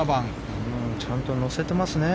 ちゃんと乗せてますね。